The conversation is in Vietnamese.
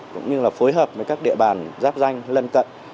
cũng như là phối hợp với các địa bàn giáp danh lân cận